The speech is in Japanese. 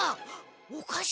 おかしい！？